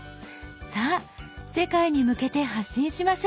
さあ世界に向けて発信しましょう！